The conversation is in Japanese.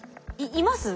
いますよ。